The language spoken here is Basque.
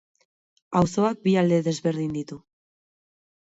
Auzoak bi alde desberdin ditu.